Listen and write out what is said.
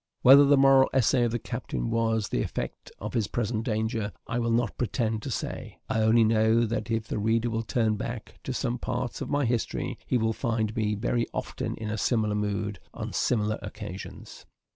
Whether the moral essay of the captain was the effect of his present danger, I will not pretend to say. I only know, that if the reader will turn back to some parts of my history, he will find me very often in a similar mood, on similar occasions.